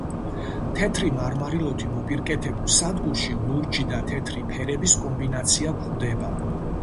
თეთრი მარმარილოთი მოპირკეთებულ სადგურში ლურჯი და თეთრი ფერების კომბინაცია გვხვდება.